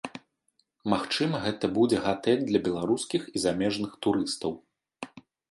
Магчыма гэта будзе гатэль для беларускіх і замежных турыстаў.